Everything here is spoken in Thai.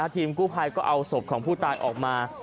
ทีมกู้ภัยก็เอาศพของผู้ตายออกมา